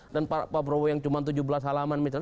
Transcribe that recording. dan pak prowo yang cuma tujuh belas halaman